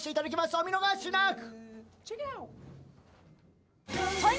お見逃しなく！